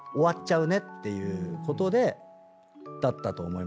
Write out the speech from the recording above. ていうことでだったと思いますよ。